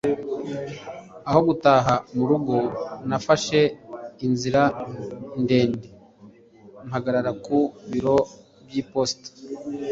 Aho gutaha mu rugo nafashe inzira ndende mpagarara ku biro byiposita